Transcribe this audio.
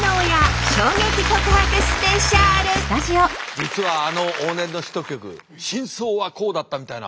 実はあの往年のヒット曲真相はこうだったみたいな。